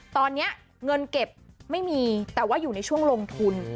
ตอนนี้เงินเก็บไม่มีแต่ว่าอยู่ในช่วงลงทุน